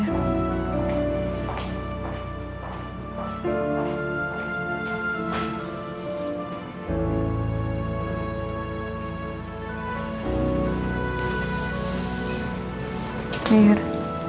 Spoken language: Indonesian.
aku mau pergi